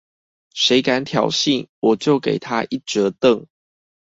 誰敢挑釁，我就給他一折凳！